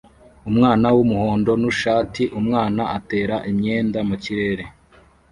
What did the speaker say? Umwana wumuhondo nu shati umwana atera imyenda mukirere